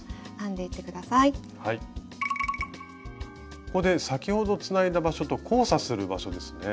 ここで先ほどつないだ場所と交差する場所ですね。